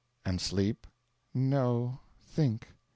"And sleep?" "No; think."